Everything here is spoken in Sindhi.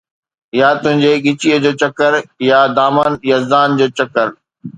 يا تنهنجي ڳچيءَ جو چڪر يا دامن يزدان چڪر